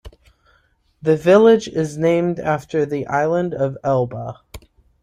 The village is named after the island of Elba.